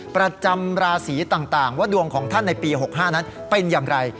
ประจำราศีต่างว่าดวงของท่านในปี๖๕นั้นเป็นอย่างไร